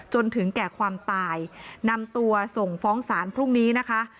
จนถึงแก่ความตายนำตัวส่งฟ้องศาลพรุ่งนี้นะคะ